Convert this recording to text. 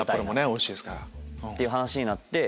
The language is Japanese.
おいしいですから。っていう話になって。